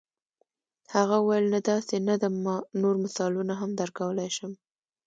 هغه وویل نه داسې نه ده نور مثالونه هم درکولای شم.